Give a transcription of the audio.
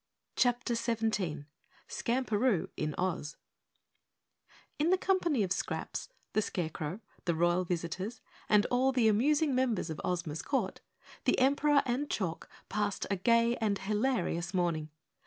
CHAPTER 17 Skamperoo in Oz In the company of Scraps, the Scarecrow, the Royal Visitors, and all the amusing members of Ozma's court, the Emperor and Chalk passed a gay and hilarious morning.